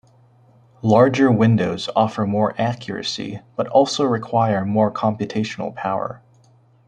Larger windows offer more accuracy but also require more computational power.